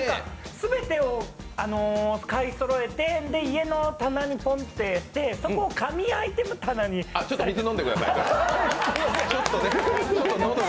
全てを買いそろえて家の棚にポンってやって、そこを神アイテム棚にあっ、ちょっと水飲んでください。